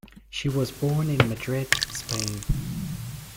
She was born in Madrid, Spain.